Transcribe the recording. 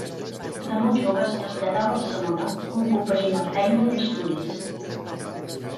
De molt jove es traslladà a Barcelona, on compaginà feina i estudis.